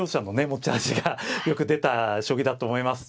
持ち味がよく出た将棋だと思います。